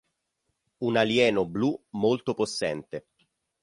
Un alieno blu molto possente.